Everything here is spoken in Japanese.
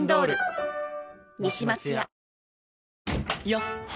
よっ！